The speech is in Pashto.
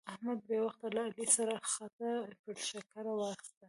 احمد بې وخته له علي سره خټه پر ښکر واخيسته.